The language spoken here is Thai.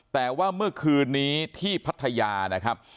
แต่ว่าเมื่อคืนนี้ที่พัทยานะครับ